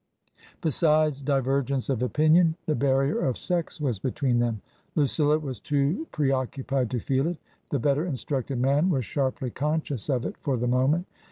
Besides divergence of opinion, the barrier of sex was between them. Lucilla was too preoccupied to feel it ; the better instructed man was sharply conscious of it for the moment.